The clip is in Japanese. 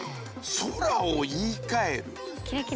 ソラを言いかえる？